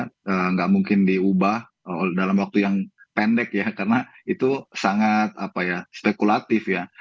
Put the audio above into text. tidak mungkin diubah dalam waktu yang pendek ya karena itu sangat spekulatif ya